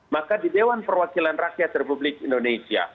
maka di dewan perwakilan rakyat republik indonesia